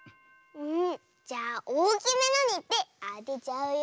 んじゃあおおきめのにいってあてちゃうよ。